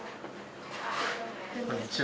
こんにちは。